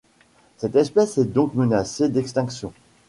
Cette espèce est donc menacée d'extinction.